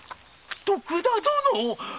徳田殿！